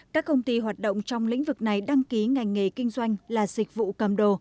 các công ty hoạt động trong lĩnh vực này đăng ký ngành nghề kinh doanh là dịch vụ cầm đồ